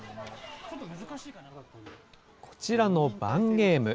こちらの盤ゲーム。